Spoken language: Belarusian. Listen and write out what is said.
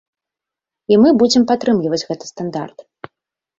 І мы будзем падтрымліваць гэты стандарт.